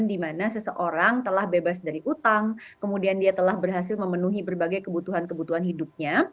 dimana seseorang telah bebas dari utang kemudian dia telah berhasil memenuhi berbagai kebutuhan kebutuhan hidupnya